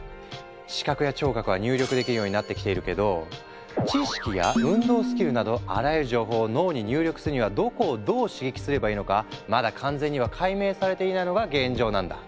視覚や聴覚は入力できるようになってきているけど知識や運動スキルなどあらゆる情報を脳に入力するにはどこをどう刺激すればいいのかまだ完全には解明されていないのが現状なんだ。